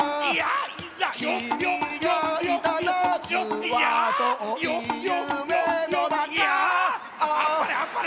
「あっぱれあっぱれ」。